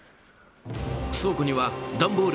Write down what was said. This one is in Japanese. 倉庫には段ボール